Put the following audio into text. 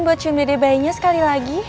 buat cium dede bayinya sekali lagi